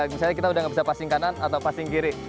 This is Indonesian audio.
misalnya kita udah nggak bisa pasing kanan atau passing kiri